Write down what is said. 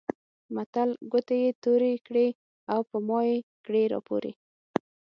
متل؛ ګوتې يې تورې کړې او په مايې کړې راپورې.